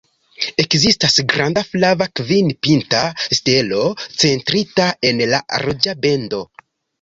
Ekzistas granda flava, kvin-pinta stelo centrita en la ruĝa bendo.